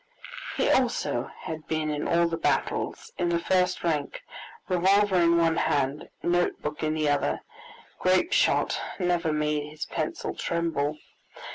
He also had been in all the battles, in the first rank, revolver in one hand, note book in the other; grape shot never made his pencil tremble.